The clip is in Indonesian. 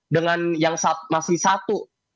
dengan yang masih satu